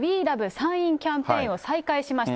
山陰キャンペーンを再開しました。